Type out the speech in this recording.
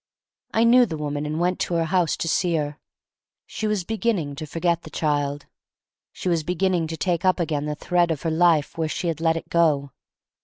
I knew the woman and went to her house to see her. She was beginning to forget the child. She was beginning to take up again the thread of her life where she had let it go.